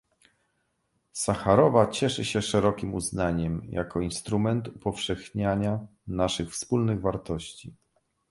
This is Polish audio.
Sacharowa cieszy się szerokim uznaniem jako instrument upowszechniania naszych wspólnych wartości